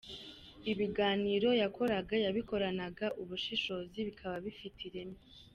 Ibiganiro yakoraga yabikoranaga ubushishozi, bikaba bifite ireme.